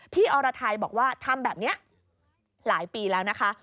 อรไทยบอกว่าทำแบบนี้หลายปีแล้วนะคะ